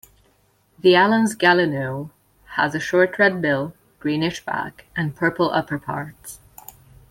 The Allen's gallinule has a short red bill, greenish back and purple upperparts.